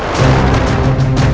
dengan mereka berdua